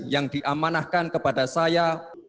yang diamanahkan kepada saya